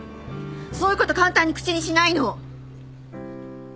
そういうこと簡単に口にしないの！